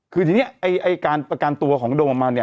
คือทีนี้ไอ้การประกันตัวของโดมออกมาเนี่ย